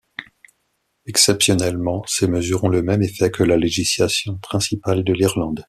Exceptionnellement, ces mesures ont le même effet que la législation principale de l'Irlande.